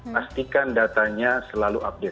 pastikan datanya selalu update